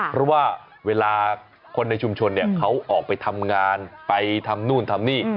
เพราะว่าเวลาคนในชุมชนเขาออกไปทำงานไปทำนู่นทำนี่